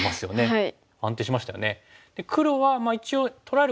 はい。